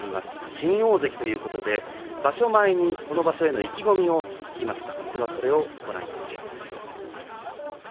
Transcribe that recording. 新大関ということで場所前にこの場所への意気込みを聞きました。